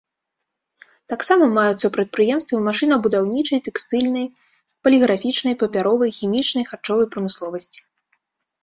Таксама маюцца прадпрыемствы машынабудаўнічай, тэкстыльнай, паліграфічнай, папяровай, хімічнай, харчовай прамысловасці.